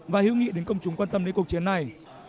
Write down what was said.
và hữu nghị đến công chúng quan tâm đến cuộc chiến này